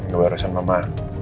gue harusin mama